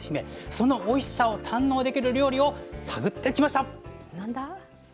そのおいしさを堪能できる料理を探ってきました。